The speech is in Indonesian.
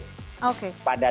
pada titik yang sama